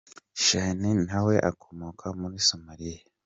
Shikhey na we akomoka muri Somalia.